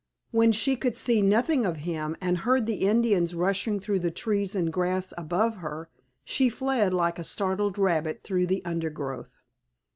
When she could see nothing of him, and heard the Indians rushing through the trees and grass above her she fled like a startled rabbit through the undergrowth.